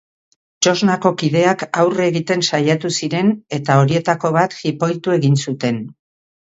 Txosnako kideak aurre egiten saiatu ziren eta horietako bat jipoitu egin zuten.